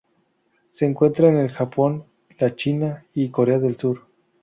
Se encuentra en el Japón, la China y Corea del Sur.